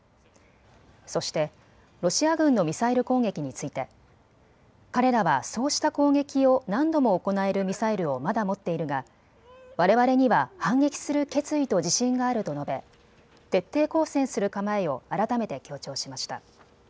そしてロシア軍のミサイル攻撃について、彼らはそうした攻撃を何度も行えるミサイルをまだ持っているがわれわれには反撃する決意と自信があると述べ徹底抗戦する構えを改めて強調しました。